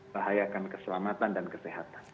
bahayakan keselamatan dan kesehatan